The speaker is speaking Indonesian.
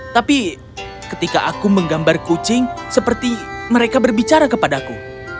tapi ketika aku menggambar kucing seperti mereka berbicara kepadaku